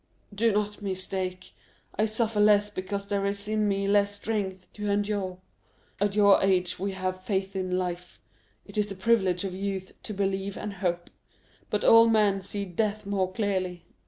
"Do not mistake! I suffer less because there is in me less strength to endure. At your age we have faith in life; it is the privilege of youth to believe and hope, but old men see death more clearly.